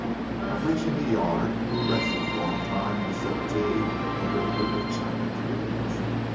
On reaching the yard, we rested a long time on a settee under a group of china trees.